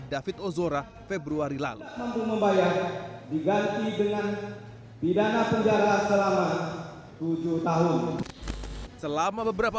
david ozora februari lalu mampu membayar diganti dengan pidana penjara selama tujuh tahun selama beberapa